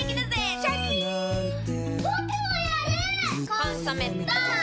「コンソメ」ポン！